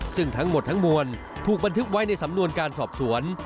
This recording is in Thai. ซึ่งทั้งหมดทั้งมวลถูกบันทึกไว้ในสำนวนการสอบสวน